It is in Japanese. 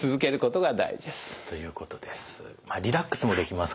ということです。